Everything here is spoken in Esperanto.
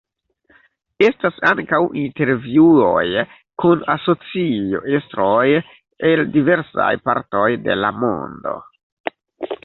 Estas ankaŭ intervjuoj kun asocio-estroj el diversaj partoj de la mondo.